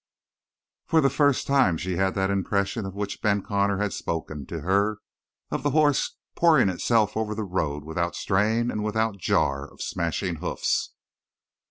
For the first time she had that impression of which Ben Connor had spoken to her of the horse pouring itself over the road without strain and without jar of smashing hoofs.